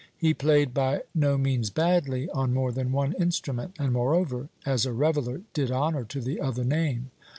He played by no means badly on more than one instrument, and, moreover, as a reveller did honour to the other name.